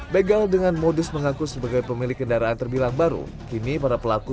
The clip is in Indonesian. begal dengan modus mengaku sebagai pemilik kendaraan terbilang baru kini para pelaku